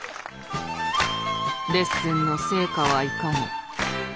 レッスンの成果はいかに。